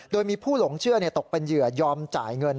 โดยมีผู้หลงเชื่อตกเป็นเหยื่อยอมจ่ายเงิน